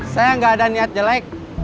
saya nggak ada niat jelek